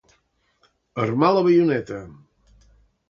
Armar la baioneta.